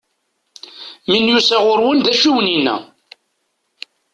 Mi n-yusa ɣur-wen, d acu i awen-yenna?